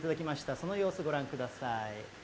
その様子、ご覧ください。